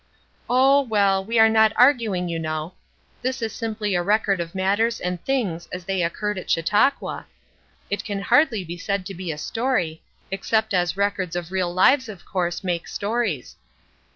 Oh, well, we are not arguing, you know. This is simply a record of matters and things as they occurred at Chautauqua. It can hardly be said to be a story, except as records of real lives of course make stories.